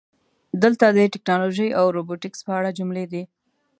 دلته د "ټکنالوژي او روبوټیکس" په اړه جملې دي: